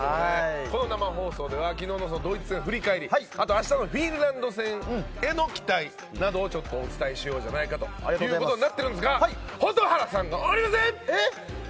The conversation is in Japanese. この生放送では昨日のドイツ戦振り返りあと、明日のフィンランド戦への期待などをお伝えしようじゃないかということになってるんですが蛍原さんがおりません！